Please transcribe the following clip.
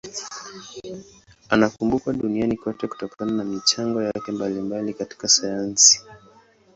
Anakumbukwa duniani kote kutokana na michango yake mbalimbali katika sayansi.